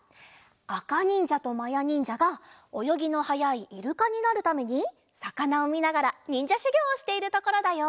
あかにんじゃとまやにんじゃがおよぎのはやいイルカになるためにさかなをみながらにんじゃしゅぎょうをしているところだよ。